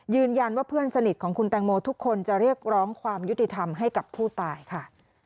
ยืนยันว่าเพื่อนสนิทของคุณแตงโมทุกคนจะเรียกร้องความยุติธรรมให้กับผู้ตายค่ะ